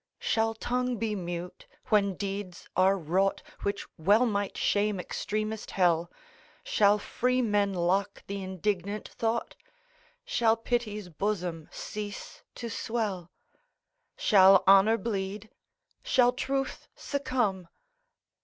Shall tongue be mute, when deeds are wrought Which well might shame extremest hell? Shall freemem lock the indignant thought? Shall Pity's bosom cease to swell? Shall Honor bleed? shall Truth succumb?